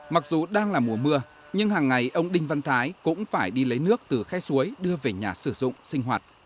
mặc dù đang là mùa mưa nhưng hàng ngày ông đinh văn thái cũng phải đi lấy nước từ khe suối đưa về nhà sử dụng sinh hoạt